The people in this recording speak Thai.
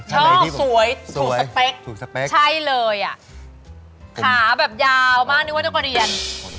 ชอบสวยถูกสเปคใช่เลยขาแบบยาวมากนึกว่าเจอกับเดียน